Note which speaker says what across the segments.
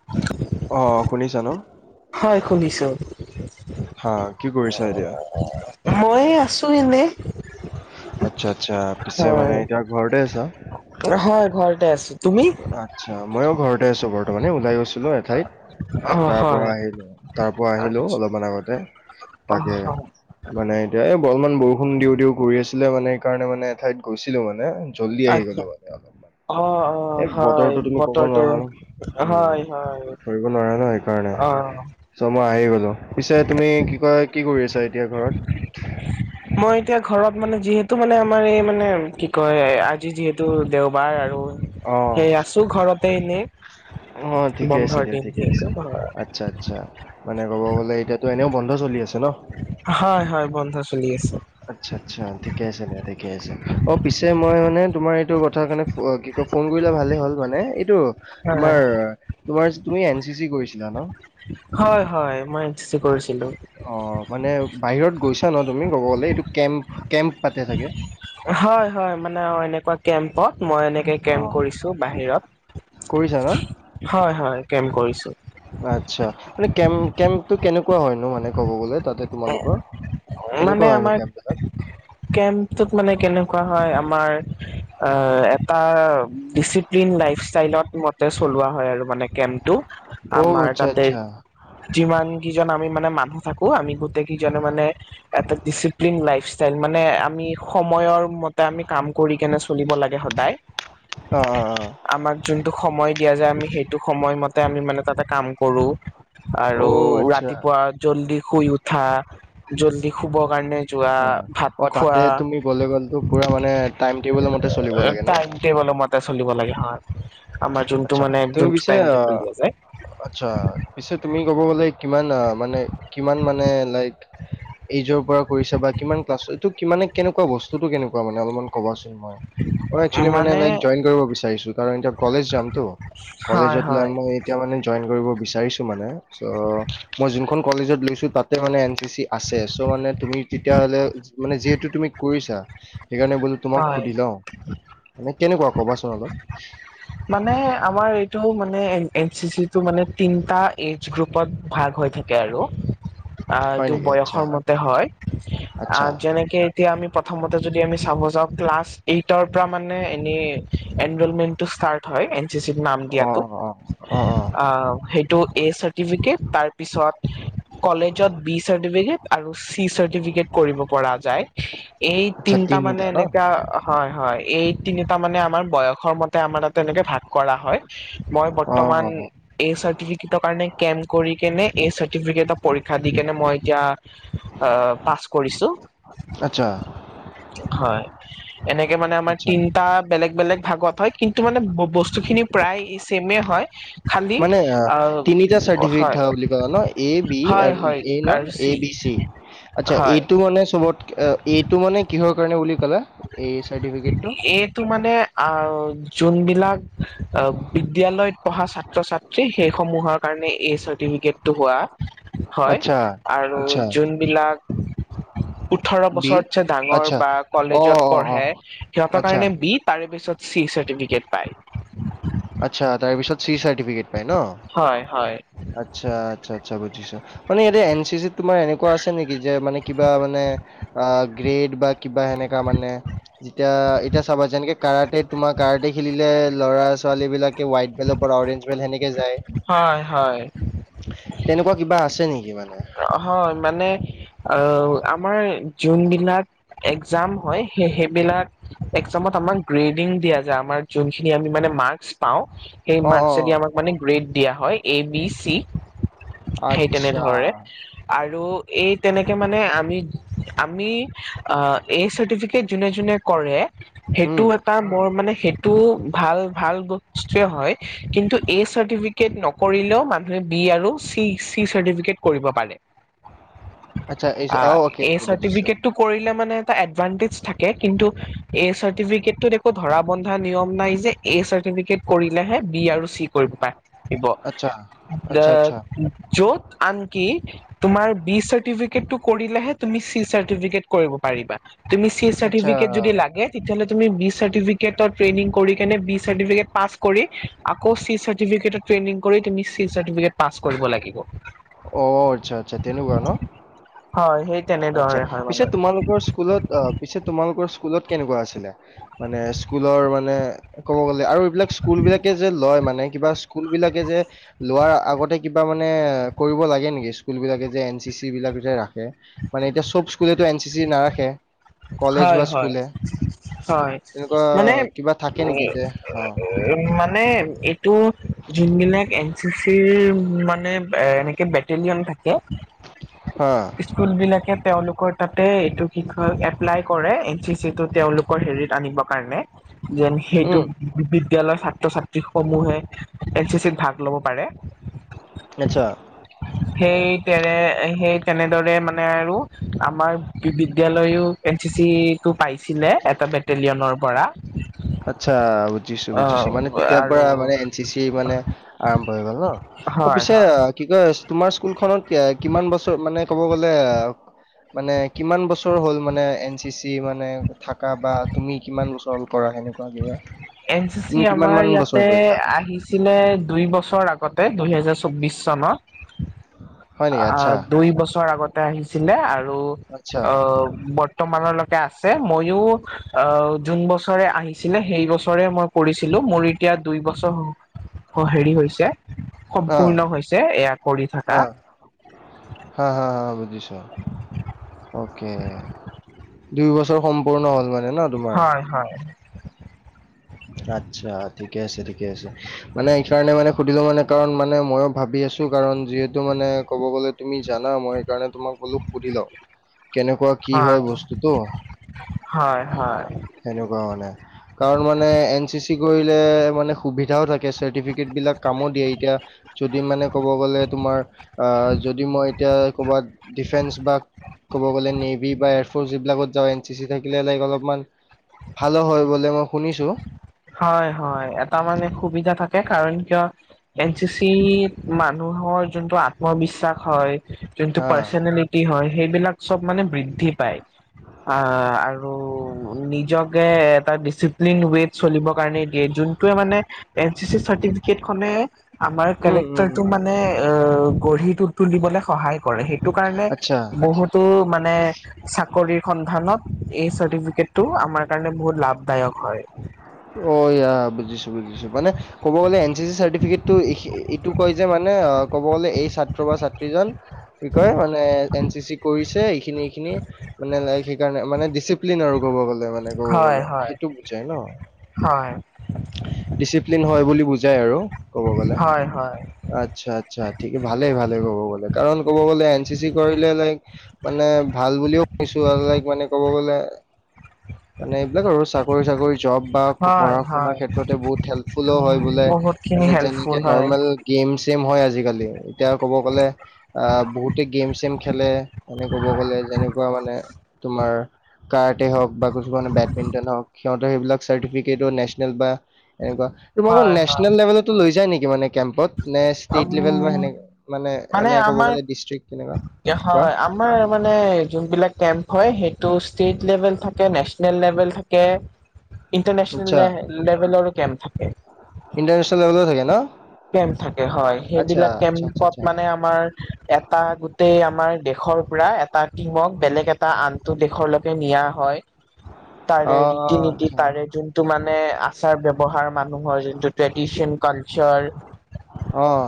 Speaker 1: [inaudible]
Speaker 2: অহ, শুনিছা ন'?
Speaker 1: হয়, শুনিছোঁ।
Speaker 2: হা কি কৰিছা এতিয়া?
Speaker 1: অ' মই এই আছোঁ এনে।
Speaker 2: আচ্ছা-আচ্ছা পিছে মানে এতিয়া ঘৰতে আছা?
Speaker 1: হয়, ঘৰতে আছোঁ তুমি?
Speaker 2: আচ্ছা ময়ো ঘৰতে আছো বৰ্তমানে ওলাই গৈছিলোঁ এঠাইত।
Speaker 1: অ
Speaker 2: তাৰ
Speaker 1: হয়
Speaker 2: পৰা আহিলোঁ তাৰ পৰা আহিলোঁ অলপমান আগতে
Speaker 1: অ
Speaker 2: তাকে
Speaker 1: হয়
Speaker 2: মানে এতিয়া এই অলপমান বৰষুণ দিওঁ-দিওঁ কৰি আছিলে মানে সেইকাৰণে মানে এঠাইত গৈছিলোঁ মানে। জল্দি আহি গ'লো মানে আৰু
Speaker 1: অ'-অ' হয় বতৰটো
Speaker 2: নোৱাৰা
Speaker 1: হয়-হয়।
Speaker 2: একো নোৱাৰে ন' সেইকাৰণে চ' মই আহি গ'লো। পিছে তুমি কি কয় কি কৰি আছা এতিয়া ঘৰত?
Speaker 1: মই এতিয়া ঘৰত মানে যিহেতু মানে আমাৰ এই মানে কি কয় আজি যিহেতু দেওবাৰ আৰু
Speaker 2: অ'।
Speaker 1: সেই আছোঁ ঘৰতে এনেই। বন্ধৰ দিন যিহেতু [unintelligible]
Speaker 2: আচ্ছা-আচ্ছা। মানে ক'ব গ'লে এতিয়াতো এনেও বন্ধ চলি আছে ন'?
Speaker 1: হয়-হয় বন্ধ চলি আছে।
Speaker 2: আচ্ছা-আচ্ছা ঠিকে আছে দিয়া ঠিকে আছে। অ' পিছে মই মানে তোমাৰ এইটো কথা কাৰণে ফোন কি ফোন কৰিলে ভালে হ'ল মানে এইটো
Speaker 1: হয়
Speaker 2: তোমাৰ তোমাৰ তুমি এন চি চি কৰিছিলা ন'?
Speaker 1: হয়-হয় মই এন চি চি কৰিছিলোঁ।
Speaker 2: অ' মানে বাহিৰত গৈছা ন' তুমি ক'ব গ'লে এইটো কেম্প-কেম্প পাতে চাগে।
Speaker 1: হয়-হয় মানে অ' এনেকুৱা কেম্পত মই এনেকে কেম্প
Speaker 2: অ'
Speaker 1: কৰিছোঁ বাহিৰত
Speaker 2: কৰিছা ন?
Speaker 1: হয়-হয় কেম্প কৰিছোঁ।
Speaker 2: আচ্ছা মানে কেম্প কেম্পটো কেনেকুৱা হয়নো মানে ক'ব গ'লে তাতে তোমালোকৰ কেনেকুৱা
Speaker 1: মানে
Speaker 2: হয়নো
Speaker 1: আমাৰ
Speaker 2: কেম্পকেইটা
Speaker 1: কেম্পটোত মানে কেনেকুৱা হয় আমাৰ অ' এটা ডিচি ডিচিপ্লিন লাইফ ষ্টাইলত মতে চলোৱা হয় আৰু মানে কেম্পটো।
Speaker 2: অ'
Speaker 1: আমাৰ
Speaker 2: আচ্ছা
Speaker 1: তাতে
Speaker 2: আচ্ছা
Speaker 1: যিমান কিজন আমি মানে মানুহ থাকো আমি গোট গোটেই কিজনে মানে এটা ডিচিপ্লিন লাইফ ষ্টাইল মানে আমি সময়ৰ মতে আমি কাম কৰি কেনে চলিব লাগে সদায়
Speaker 2: অ'-অ'-অ'
Speaker 1: আমাক যোনটো সময় দিয়া যায় আমি সেইটো সময়মতে আমি মানে তাতে কাম কৰোঁ
Speaker 2: অ'
Speaker 1: আৰু
Speaker 2: অ' আচ্ছা।
Speaker 1: ৰাতিপুৱা জল্দি শুই উঠা, জল্দি শুব কাৰণে যোৱা ভাত
Speaker 2: অ' তাতে
Speaker 1: খোৱা
Speaker 2: তুমি গলে গ'লো পুৰা মানে টাইম টেবুলৰ মতে চলিব লাগে ন'।
Speaker 1: টেলৰ মতে চলিব লাগে হা আমাৰ যোনটো
Speaker 2: আচ্ছা
Speaker 1: মানে
Speaker 2: তুমি
Speaker 1: যোনটো
Speaker 2: পিছে
Speaker 1: টাইম
Speaker 2: অ
Speaker 1: দিয়া যায়।
Speaker 2: আচ্ছা পিছে তুমি ক'ব গ'লে কিমান মানে কিমান মানে লাইক এইজৰ পৰা কৰিছাঁ বা কিমান ক্লাছটো কিমানে কেনেকুৱা বস্তুটো কেনেকুৱা মানে অলপমান ক'বা চোন হয় মানে একচোৱেলি মানে লাইক জইন কৰিব বিচাৰোঁ কাৰণ এতিয়া কলেজ যাম।
Speaker 1: হয়
Speaker 2: কলেজত [unintelligible]
Speaker 1: হয়
Speaker 2: মই এতিয়া মানে জইন কৰিব বিচাৰিছোঁ মানে, চৌ মই যোনখন কলেজত লৈছোঁ তাতে মানে এন চি চি আছে চ' মানে তুমি তেতিয়াহ'লে মানে যিহেতু তুমি কৰিছাঁ। সেইকাৰণে বোলো তোমাক
Speaker 1: হয়
Speaker 2: সুধি লওঁ মানে কেনেকুৱা ক'বাচোন অলপ।
Speaker 1: [unintelligible] মানে আমাৰ এইটো মানে এন চি চিটো মানে তিনিটা এজ গ্ৰুপত ভাগ হৈ থাকে আৰু
Speaker 2: হয়
Speaker 1: এইটো
Speaker 2: নেকি আচ্ছা
Speaker 1: বয়সৰ মতে হয়
Speaker 2: আচ্ছা
Speaker 1: অ' যেনেকে এতিয়া আমি প্ৰথমতে যদি আমি চাব যাওঁ ক্লাছ এইটৰ পৰা মানে এনে এনৰলমেণ্টো ষ্টাৰ্ট হয় এনে চি চিত নাম
Speaker 2: অ
Speaker 1: দিয়াটো।
Speaker 2: অ অ অ অ
Speaker 1: আহ, সেইটো এ চাৰ্টিফিকেট তাৰপিছত কলেজত বি চাৰ্টিফিকেট আৰু চি চাৰ্টিফিকেট কৰিব পৰা যায়। এই
Speaker 2: আচ্ছা
Speaker 1: তিনিটা মানে
Speaker 2: ন
Speaker 1: এনেকা হয় -হয় এই তিনিটা মানে আমাৰ বয়সৰ মতে আমাৰ তাতে এনেকে ভাগ কৰা হয় মই
Speaker 2: অ
Speaker 1: বৰ্তমান এ চাৰ্টিফিকেটৰ কাৰণে কেম্প কৰি কেনে এ চাৰ্টিফিকেটৰ পৰীক্ষা দি কেনে মই এতিয়া আহ, পাছ কৰিছোঁ।
Speaker 2: আচ্ছা।
Speaker 1: হয় এনেকে মানে আমাক
Speaker 2: আচ্ছা
Speaker 1: টা বেলেগ -বেলেগ ভাগত হয় কিন্তু মানে বস্তু খিনি প্ৰায় ছেমে হয় খালি
Speaker 2: মানে অ, তিনিটা
Speaker 1: আহ হয়
Speaker 2: চাৰ্টিফিকেট ধৰ বুলি ক ন, এ বি
Speaker 1: হয় হয়
Speaker 2: [unintelligible] এ ন, এ
Speaker 1: আৰ্চি
Speaker 2: বি চি। আচ্ছা
Speaker 1: হয়
Speaker 2: এইটো মানে চবত এইটো মানে কিহৰ কাৰণে বুলি ক'লা? এ চাৰ্টিফিকেটটো?
Speaker 1: এ টো মানে [unintelligible] যোনবিলাক অ, বিদ্যালয়ত পঢ়া ছাত্ৰ -ছাত্ৰী সেইসমূহক কাৰণে এই চাৰ্টিফিকেট টো হোৱা হয়
Speaker 2: আচ্ছা
Speaker 1: আৰু
Speaker 2: আচ্ছা
Speaker 1: যোনবিলাক ওঠৰ
Speaker 2: বি
Speaker 1: বছৰতছে ডাঙৰ
Speaker 2: আচ্ছা
Speaker 1: বা
Speaker 2: অ
Speaker 1: কলেজত
Speaker 2: অ অ
Speaker 1: পঢ়ে সিহঁতৰ
Speaker 2: আচ্ছা
Speaker 1: কাৰণে বি তাৰে পিছত চি চাৰ্টিফিকেট পায়।
Speaker 2: আচ্ছা তাৰেপিছত চি চাৰ্টিফিকেট পাই ন?
Speaker 1: হয় হয়
Speaker 2: আচ্ছা- আচ্ছা -আচ্ছা বুজিছোঁ মানে এতিয়া এন চি চিত তোমাৰ এনেকুৱা আছে নেকি যে মানে কিবা মানে অ, গ্ৰেড বা কিবা সেনেকা মানে যেতিয়া এতিয়া চাবা যেনেকে কাৰাতে তোমাৰ কাৰাতে খেলিলে ল'ৰা ছোৱালী বিলাকে হোৱাইট বেলৰ পৰা অৰেঞ্জ বেল সেনেকে যায়।
Speaker 1: হয়- হয়।
Speaker 2: তেনেকুৱা কিবা আছে নেকি মানে?
Speaker 1: অ, হয় মানে আহ, আমাৰ জোনবিলাক একজাম হয় সে -সেইবিলাক একজামত আমাক গ্ৰেডিং দিয়া যায় আমাৰ যোনখিনি আমি মানে মাৰ্ক্স পাওঁ। সেই
Speaker 2: অ', অ',
Speaker 1: মাৰ্কচেদি
Speaker 2: অ',
Speaker 1: আমাক মানে গ্ৰেড দিয়া হয় এ বি চি সেই তেনে
Speaker 2: আচ্ছা।
Speaker 1: ধৰে। আৰু এই তেনেকে মানে আমি -আমি আহ এই চাৰ্টিফিকেট যোনে- যোনে কৰে সেইটো
Speaker 2: হুম,
Speaker 1: এটা বৰ মানে সেইটো ভাল -ভাল বস্তুয়ে হয় কিন্তু এ চাৰ্টিফিকেট নকৰিলেও মানুহে বি আৰুি চি- চি চাৰ্টিফিকেট কৰিব পাৰে
Speaker 2: আচ্ছা এইচ
Speaker 1: আ,
Speaker 2: অ' অ'কে,
Speaker 1: এ
Speaker 2: অ'কে বুজিছোঁ।
Speaker 1: চাৰ্টিফিকেট টো কৰিলে মানে এটা এডভান্টেচ থাকে, কিন্তু এ চাৰ্টিফিকেটটোত ধৰা বন্ধা নিয়ম নাই যে এ চাৰ্টিফিকেট কৰিলেহে বি আৰু চি কৰিব পাই। দিব
Speaker 2: আচ্ছা, আচ্ছা,
Speaker 1: [unintelligible]
Speaker 2: আচ্ছা,
Speaker 1: য'ত আনকি তোমাৰ বি চাৰ্টিফিকেটটো কৰিলেহে তুমি চি চাৰ্টিফিকেট কৰিব পাৰিবা। তুমি চি
Speaker 2: আচ্ছা।
Speaker 1: চাৰ্টিফিকেট যদি লাগে তেতিয়াহ'লে তুমি বি চাৰ্টিফিকেটত ট্ৰেইনিং কৰি কেনে বি চাৰ্টিফিকেট পাছ কৰি আকৌ চি চাৰ্টিফিকেটট ট্ৰেইনিং কৰি তুমি চি চাৰ্টিফিকেট পাছ কৰিব লাগিব।
Speaker 2: অ, আচ্ছা। আচ্ছা তেনেকুৱা ন?
Speaker 1: হয় সেই
Speaker 2: আচ্ছা
Speaker 1: তেনেদৰে হয় মানে
Speaker 2: পিছে তোমালোকৰ স্কুলত‌ অ' পিছে তোমালোকৰ স্কুলত কেনেকুৱা আছিলে? মানে স্কুলৰ মানে ক'ব গ'লে আৰু এইবিলাক স্কুল বিলাকে যে লয় মানে কিবা স্কুল বিলাকে যে লোৱাৰ আগতে কিবা মানে কৰিব লাগে নেকি, স্কুল বিলাকে যে এন চি চি বিলাক যে ৰাখে? মানে এতিয়া চব স্কুলেটো এন চি চি নাৰাখে। কলেজ বা
Speaker 1: হয়-
Speaker 2: স্কুলে
Speaker 1: হয়-হয়
Speaker 2: তেনেকুৱা
Speaker 1: মানে
Speaker 2: কিবা থাকে
Speaker 1: [unintelligible]
Speaker 2: নেকি যে অ
Speaker 1: উম, মানে এইটো যোন বিলাক এন চি চিৰ মানে এনেকে টেলিয়াম থাকে
Speaker 2: হা
Speaker 1: স্কুলবিলাকে তেওঁলোকৰ তাতে এইটো কি কয় এপ্লাই কৰে এন চি চিটো তেওঁলোকৰ হেৰিত আনিবৰ কাৰণে। যেন সেইটো
Speaker 2: উম
Speaker 1: বিদ্যালয়ৰ ছাত্ৰ-ছাত্ৰী সমূহে এন চি চিত ভাগ ল'ব পাৰে [unintelligible]
Speaker 2: আচ্ছা।
Speaker 1: সেই তেনে সেই তেনেদৰে মানে আৰু আমাৰ বিদ্যালয়ো এন চি চিটো পাইছিলে এটা বেটেলিয়ানৰ পৰা।
Speaker 2: আচ্ছা
Speaker 1: অ
Speaker 2: বুজিছোঁ-বুজিছোঁ মানে তেতিয়াৰ
Speaker 1: আৰু
Speaker 2: পৰা মানে এন চি চি মানে আৰম্ভ হৈ গ'ল ন'?
Speaker 1: হয়।
Speaker 2: তে
Speaker 1: হয়
Speaker 2: কি কয় তোমাৰ স্কুলখনত কিমান বছৰ মানে ক'ব গ'লে মানে কিমান বছৰ হ'ল মানে এন চি চি মানে থাকা বা তুমি কিমান বছৰ হ'ল পৰা সেনেকুৱা কিবা
Speaker 1: এন চি চি
Speaker 2: তুমি কিমান
Speaker 1: আমাৰ
Speaker 2: মান বছৰ
Speaker 1: ইয়াতে
Speaker 2: কৰিলা?
Speaker 1: আহি আহিছিলে দুই বছৰ আগতে দুইহেজাৰ চৌব্বিশ চনত
Speaker 2: [inaudible] আচ্ছা,
Speaker 1: অ' দুই বছৰ আগতে আহিছিলে আৰু
Speaker 2: আচ্ছা।
Speaker 1: অ' বৰ্তমানলৈকে আছে ময়ো অ' যোন বছৰে আহি আহিছিলে সেই বছৰে মই কৰিছিলোঁ মোৰ এতিয়া দুই বছৰ হেৰি হৈছে
Speaker 2: অ,
Speaker 1: সম্পূৰ্ণ হৈছে এয়া কৰি থাকা।
Speaker 2: হা-হা-হা বুজিছোঁ, অকে দুইবছৰ বছৰ সম্পূৰ্ণ হ'ল মানে ন' তোমাৰ?
Speaker 1: অ' হয়।
Speaker 2: আচ্ছা ঠিকে আছে ঠিকে আছে। মানে এইকাৰণে মানে সুধিলোঁ মানে কাৰণ মানে ময়ো ভাবি আছোঁ কাৰণ যিহেতু মানে ক'ব গ'লে তুমি জানা মই সেইকাৰণে তোমাক বোলো সুধি লওঁ কেনেকুৱা কি হয় বস্তুটো
Speaker 1: হয়-হয়-হয়
Speaker 2: সেনেকুৱা মানে কাৰণ মানে মানে এন চি চি কৰিলে মানে সুবিধাও থাকে চাৰ্টিফিকেট বিলাক কামো দিয়ে এতিয়া যদি মানে ক'ব গ'লে তোমাৰ অ' যদি মই এতিয়া ক'বাত ডিফেন্স বা ক'ব গ'লে নেভি বা এয়াৰফ'ৰ্চ এইবিলাকত যাওঁ এন চি চি থাকিলে লাইক অলপমান ভালো হয় বোলে মই শুনিছোঁ।
Speaker 1: হয়-হয় এটা মানে সুবিধা থাকে কাৰণ কিয় এন চি চি মানুহৰ যোনটো আত্মবিশ্বাস হয় যোনটো পাৰ্চনেলিটি
Speaker 2: হা।
Speaker 1: পাৰ্চনেলিটি হয় সেইবিলাক চব মানে বৃদ্ধি পায়। অ' আৰু নিজকে এটা ডিচিপ্লিন উইথ চলিব কাৰণে দিয়ে যোনটোৱে মানে এন চি চি চাৰ্টিফিকেট খনে আমাৰ
Speaker 2: উম উম।
Speaker 1: কেৰেক্টাৰটো
Speaker 2: উম।
Speaker 1: মানে অ' গঢ়ি তু তুলিবলে সহায় কৰে সেইটো কাৰণে
Speaker 2: আচ্ছা
Speaker 1: বহুতো মানে চাকৰি সন্ধানত এই চাৰ্টিফিকেটটো আমাৰ কাৰণে বহুত লাভদায়ক হয়।
Speaker 2: অ' ইয়া বুজিছোঁ-বুজিছোঁ মানে ক'ব গ'লে এন চি চি চাৰ্টিফিকেটটো এইটো কয় যে মানে ক'ব গ'লে এই ছাত্ৰ বা ছাত্ৰীজন কি কয় মানে এন চি চি কৰিছে। এইখিনি এইখিনি মানে লাইক সেইকাৰণে মানে ডিচিপ্লিন আৰু ক'ব গ'লে। মানে ক'ব
Speaker 1: হয়
Speaker 2: গ'লে
Speaker 1: হয়
Speaker 2: সেইটো বুজাই ন।
Speaker 1: হয়।
Speaker 2: ডিচিপ্লিন হয় বুলি বুজাই আৰু ক'ব গ'লে।
Speaker 1: হয়, হয়,
Speaker 2: আচ্ছা-আচ্ছা ঠিকে ভালে-ভালে ক'ব গ'লে কাৰণ ক'ব গ'লে এন চি চি কৰিলে লাইক মানে ভাল বুলিও শুনিছো আৰু লাইক মানে ক'ব গ'লে। মানে এইবিলাক আৰু চাকৰি ঝাকৰি জব বা
Speaker 1: হয়,
Speaker 2: পঢ়া শুনাৰ
Speaker 1: হয়,
Speaker 2: ক্ষেত্ৰতে বহুত হেল্পফুলো হয়
Speaker 1: উম,
Speaker 2: বোলে
Speaker 1: বহুতখিনি
Speaker 2: মানে যেনেকে
Speaker 1: হেল্পফুল হয়।
Speaker 2: নৰ্মেল গেম চেম হয় আজিকালি এতিয়া ক'ব গ'লে আহ বহুতে গেম চেম খেলে মানে ক'ব গ'লে যেনেকুৱা মানে তোমাৰ কাৰাটে হওঁক বা কিছুমানে বেডমিণ্টন হওঁক সিহঁতে সেইবিলাক চাৰ্টিফিকেটো নেচনেল বা এনেকুৱা তোমালোকৰ
Speaker 1: হয়, হয়,
Speaker 2: নেচনেল লেবেলটো লৈ যায় নেকি মানে কেম্পত? নে ষ্টেট লেবেল বা
Speaker 1: উম,
Speaker 2: সেনে মানে মানে ক'ব গ'লে ডিষ্ট্ৰিক্ট তেনেকুৱা কোৱা?
Speaker 1: হয়, আমাৰ মানে যোনবিলাক কেম্প হয় সেইটো ষ্টেট লেবেল থাকে নেচনেল লেবেল থাকে। ইণ্টাৰনেচনেল
Speaker 2: আচ্ছা
Speaker 1: লে লেবেলৰো কেম্প থাকে।
Speaker 2: ইণ্টাৰনেচনেল লেবেলৰো থাকে ন?
Speaker 1: কেম্প থাকে হয়,
Speaker 2: আচ্ছা
Speaker 1: সেইবিলাক
Speaker 2: আচ্ছা আচ্ছা
Speaker 1: কেম্পত
Speaker 2: আচ্ছা
Speaker 1: মানে আমাৰ। এটা গোটেই আমাৰ দেশৰ পৰা এটা টিমক বেলেগ এটা আন টো দেশলৈকে নিয়া হয়। তাৰে
Speaker 2: অ',
Speaker 1: ৰীতি-নীতি
Speaker 2: আচ্ছা
Speaker 1: তাৰে যোনটো মানে আচাৰ ব্যৱহাৰ মানুহৰ যোনটো ট্ৰেডিচন কালচাৰ।
Speaker 2: অহ।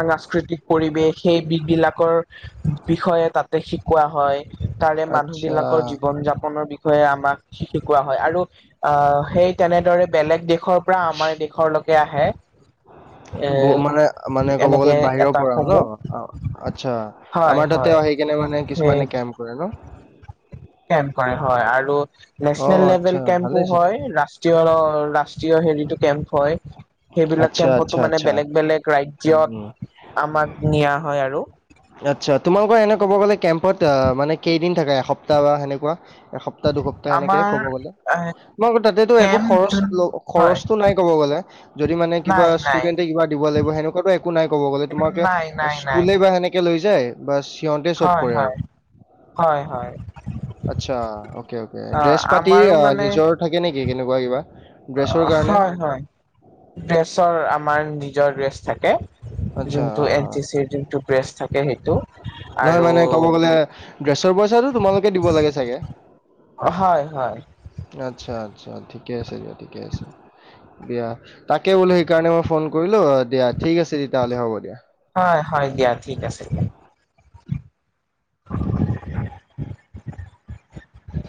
Speaker 1: সাংস্কৃতিক পৰিৱেশ সেই বিধ বিলাকৰ বিষয়ে তাতে শিকোৱা হয়। তাৰে মানুহ
Speaker 2: আচ্ছা
Speaker 1: বিলাকৰ জীৱন যাপনৰ বিষয়ে আমাক শিকোৱা হয়। আৰু আহ সেই তেনেদৰে বেলেগ দেশৰ পৰা আমাৰ দেশৰলৈকে আহে। এ
Speaker 2: বো মানে মানে ক'ব
Speaker 1: এনেকে
Speaker 2: গ'লে বাহিৰৰ
Speaker 1: এটা
Speaker 2: পৰাও ন?
Speaker 1: সমূহ
Speaker 2: অঁ। আচ্ছা,
Speaker 1: হয়
Speaker 2: আমাৰ তাতে
Speaker 1: হয়
Speaker 2: আহি কেনে মানে
Speaker 1: সেই
Speaker 2: কিছুমানে কেম্প কৰে ন?
Speaker 1: কেম্প কৰে হয়। আৰু নেচনেল
Speaker 2: অ', আচ্ছা
Speaker 1: লেবেল কেম্পো
Speaker 2: ভালেই চোন
Speaker 1: হয় ৰাষ্ট্ৰীয় ৰাষ্ট্ৰীয় হেৰীটো কেম্প হয়। সেই
Speaker 2: আচ্ছা
Speaker 1: কেম্পটো
Speaker 2: আচ্ছা
Speaker 1: মানে
Speaker 2: আচ্ছা
Speaker 1: বেলেগ বেলেগ ৰাজ্যত
Speaker 2: উম,
Speaker 1: আমাক নিয়া হয় আৰু।
Speaker 2: আচ্ছা তোমালোকৰ এনে ক'ব গ'লে কেম্পত আ মানে কেইদিন থাকা এসপ্তাহ বা সেনেকুৱা? এসপ্তাহ দুসপ্তাহ এনেকে
Speaker 1: আমাৰ
Speaker 2: ক'ব গ'লে, মই আকৌ তাতেটো একো
Speaker 1: কেম্প
Speaker 2: খৰচ
Speaker 1: যোন
Speaker 2: ল
Speaker 1: হয়
Speaker 2: খৰচটো নাই ক'ব গ'লে। যদি মানে কিবা
Speaker 1: নাই নাই
Speaker 2: ষ্টুডেণ্টে কিবা দিব লাগিব সেনেকুৱাতটো একো নাই ক'ব গ'লে তোমাৰোকে
Speaker 1: নাই নাই নাই
Speaker 2: স্কুলে বা সেনে কে লৈ যায়। বাচ সিহঁতে
Speaker 1: হয় হয়, হয় হয়।
Speaker 2: আচ্ছা। Okay okay.
Speaker 1: অ
Speaker 2: ড্ৰেছ পাতি
Speaker 1: আমাৰো
Speaker 2: আ
Speaker 1: মানে
Speaker 2: নিজৰ থাকে নেকি কেনেকুৱা কিবা ড্ৰেছৰ কাৰণে?
Speaker 1: হয় হয় ড্ৰেছৰ আমাৰ নিজৰ ড্ৰেছ থাকে।
Speaker 2: আচ্ছা,
Speaker 1: যোনটো
Speaker 2: অ',
Speaker 1: এন
Speaker 2: অ'।
Speaker 1: চি চিৰ যোনটো ড্ৰেছ থাকে সেইটো আৰু
Speaker 2: এ। ড্ৰেছৰ পইচাটো তোমালোকে দিব লাগে চাগে?
Speaker 1: অঁ হয় হয়।
Speaker 2: আচ্ছা আচ্ছা ঠিকে আছে দিয়া ঠিকে আছে। দিয়া, তাকে বোলো সেইকাৰণে মই ফোন কৰিলো দিয়া ঠিক আছে তেতিয়াহ'লে হ'ব দিয়া।
Speaker 1: হয় হয় দিয়া ঠিক আছে দিয়া। [unintelligible]